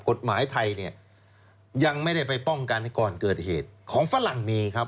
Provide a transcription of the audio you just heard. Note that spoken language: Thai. กฎหมายไทยเนี่ยยังไม่ได้ไปป้องกันก่อนเกิดเหตุของฝรั่งมีครับ